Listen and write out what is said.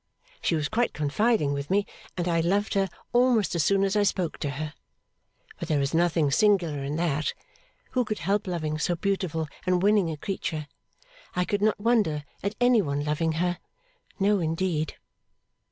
She was quite confiding with me, and I loved her almost as soon as I spoke to her. But there is nothing singular in that; who could help loving so beautiful and winning a creature! I could not wonder at any one loving her. No indeed.